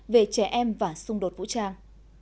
về trẻ em và xung đột vũ trang